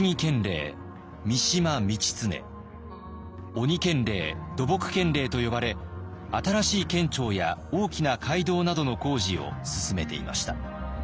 「鬼県令」「土木県令」と呼ばれ新しい県庁や大きな街道などの工事を進めていました。